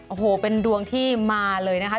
โอ้โหเป็นดวงที่มาเลยนะคะ